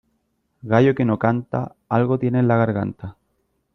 Gallo que no canta, algo tiene en la garganta.